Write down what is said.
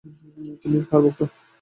তুমি কার ভক্ত?